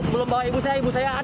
belum bawa ibu saya ibu saya